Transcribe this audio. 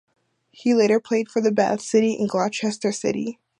He later played for Bath City and Gloucester City.